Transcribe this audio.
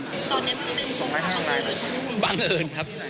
ตอนนี้บังเกินชุกร้ายของเขาอะไรครับ